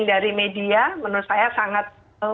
dari media menurut saya sangat